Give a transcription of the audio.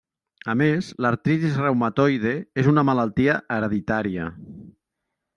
A més, l'artritis reumatoide és una malaltia hereditària.